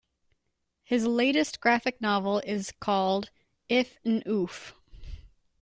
His latest graphic novel is called "If n' Oof".